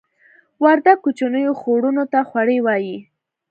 وردګ کوچنیو خوړونو ته خوړۍ وایې